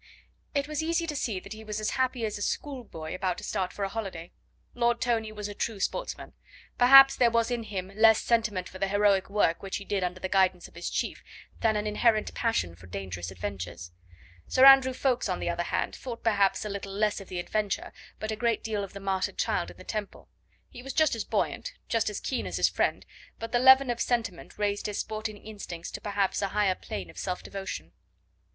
It was easy to see that he was as happy as a schoolboy about to start for a holiday. Lord Tony was a true sportsman. Perhaps there was in him less sentiment for the heroic work which he did under the guidance of his chief than an inherent passion for dangerous adventures. Sir Andrew Ffoulkes, on the other hand, thought perhaps a little less of the adventure, but a great deal of the martyred child in the Temple. He was just as buoyant, just as keen as his friend, but the leaven of sentiment raised his sporting instincts to perhaps a higher plane of self devotion.